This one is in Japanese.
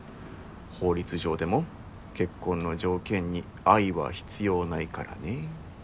法律上でも結婚の条件に愛は必要ないからね。